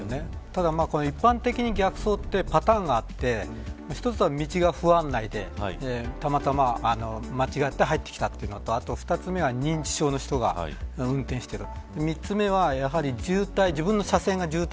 ただ一般的に逆走ってパターンがあって一つは道に不案内で、たまたま違って入ってきてしまったというのと２つ目は認知症の人が運転している。